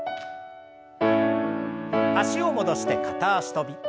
脚を戻して片脚跳び。